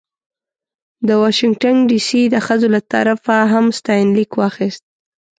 د واشنګټن ډې سي د ښځو له طرفه هم ستاینلیک واخیست.